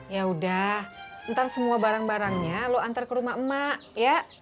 ya udah ntar semua barang barangnya lo antar ke rumah emak ya